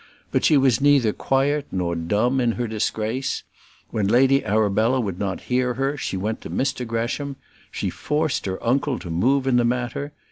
But she was neither quiet nor dumb in her disgrace. When Lady Arabella would not hear her, she went to Mr Gresham. She forced her uncle to move in the matter.